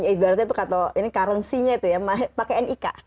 ibaratnya itu kata ini currency nya itu ya pakai nik